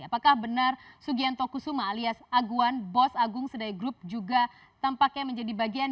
apakah benar sugianto kusuma alias aguan bos agung sedai group juga tampaknya menjadi bagian